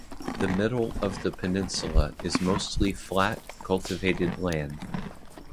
The middle of the peninsula is mostly flat, cultivated land.